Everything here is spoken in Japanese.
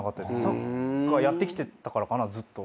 サッカーやってきてたからかなずっと。